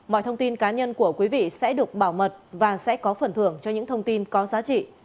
mọi thông tin cá nhân của quý vị sẽ được bảo mật và sẽ có phần thưởng cho những thông tin có giá trị